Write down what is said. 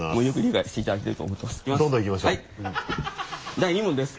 第２問です。